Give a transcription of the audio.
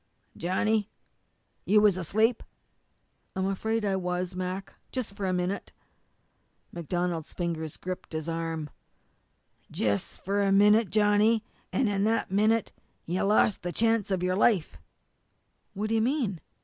"Johnny, you was asleep!" "I'm afraid I was, Mac just for a minute." MacDonald's fingers gripped his arm. "Jus' for a minute, Johnny an' in that minute you lost the chance of your life!" "What do you mean?"